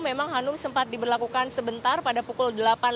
memang hanum sempat diberlakukan sebentar pada pukul delapan